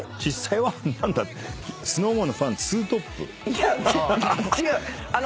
いや違う。